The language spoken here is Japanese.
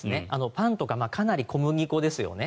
パンとかかなり小麦粉ですよね。